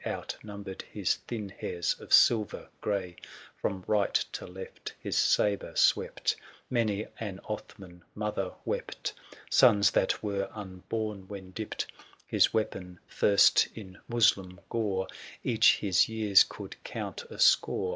Outnumbered his thin hairs of silver gray. 750 From right to left his sabre swept : Many an Othman mother wept Sons that were unborn, when dipped 43 THE SIEGE OF CORINTH. His weapon first in Moslem gore, Ere his years could count a score.